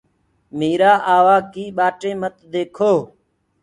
ميرآ آوآ ڪي ٻآٽي مت ديکو۔